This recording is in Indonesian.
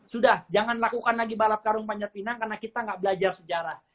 sudah jangan lakukan lagi balap karung panjat pinang karena kita nggak belajar sejarah